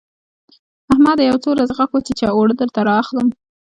احمده! يو څو ورځې غاښ وچيچه؛ اوړه درته اخلم.